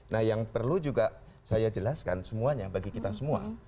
nah yang perlu juga saya jelaskan semuanya bagi kita semua